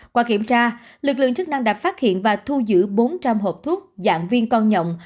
qua kiểm tra lực lượng chức năng đã phát hiện và thu giữ bốn trăm linh hộp thuốc dạng viên con nhọn